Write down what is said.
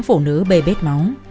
phụ nữ bê bết máu